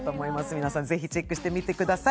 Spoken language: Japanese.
皆さん、ぜひチェックしてみてください。